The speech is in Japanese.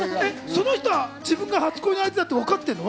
その人は自分が初恋の相手だって分かってるの？